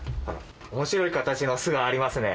面白い形の巣がありますね。